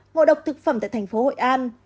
ngộ độc thực phẩm tại thành phố hội an